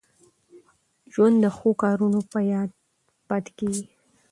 ژوند د ښو کارونو په یاد پاته کېږي.